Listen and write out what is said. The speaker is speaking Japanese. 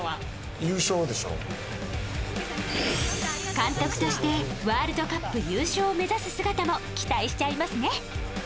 監督としてワールドカップ優勝を目指す姿も期待しちゃいますね。